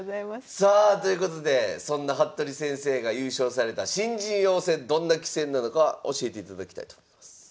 さあということでそんな服部先生が優勝された新人王戦どんな棋戦なのか教えていただきたいと思います。